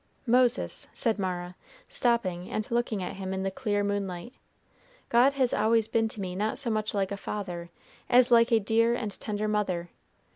"Moses," said Mara, stopping and looking at him in the clear moonlight, "God has always been to me not so much like a father as like a dear and tender mother.